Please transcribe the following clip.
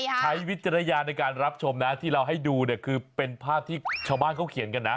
วิจารณญาณในการรับชมนะที่เราให้ดูเนี่ยคือเป็นภาพที่ชาวบ้านเขาเขียนกันนะ